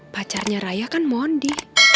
pacarnya raya kan mondi